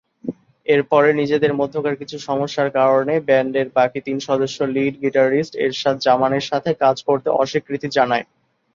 এরপরে নিজেদের মধ্যকার কিছু সমস্যার কারণে ব্যান্ডের বাকি তিন সদস্য লিড গিটারিস্ট এরশাদ জামানের সাথে কাজ করতে অস্বীকৃতি জানায়।